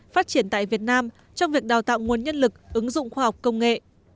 phát triển tại việt nam trong việc đào tạo nguồn nhân lực ứng dụng khoa học công nghệ